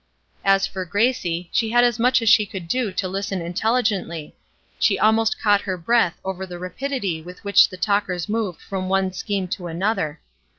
As for Gracie, she had as much as she could do to listen intelligently; she almost caught her breath over the rapidity with which the talkers moved from one scheme to another.